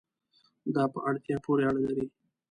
دا په اړتیا پورې اړه لري